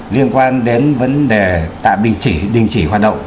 liên quan đến vấn đề tạm đình chỉ đình chỉ hoạt động